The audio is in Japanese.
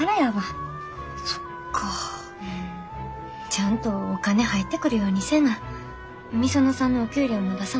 ちゃんとお金入ってくるようにせな御園さんのお給料も出さなあ